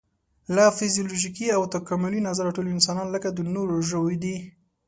له فزیولوژیکي او تکاملي نظره ټول انسانان لکه د نورو ژوو دي.